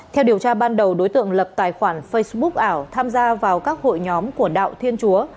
theo điều tra ban đầu đối tượng lập tài khoản facebook ảo tham gia vào các hội nhóm của đạo thiên chúa